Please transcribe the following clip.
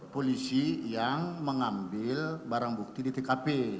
polisi yang mengambil barang bukti di tkp